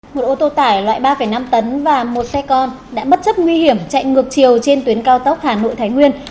một ô tô tải loại ba năm tấn và một xe con đã bất chấp nguy hiểm chạy ngược chiều trên tuyến cao tốc hà nội thái nguyên